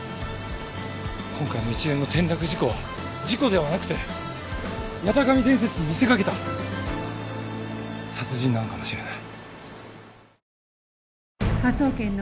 今回の一連の転落事故は事故ではなくて八咫神伝説に見せかけた殺人なのかもしれない。